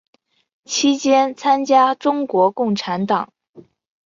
期间参加中国共产党。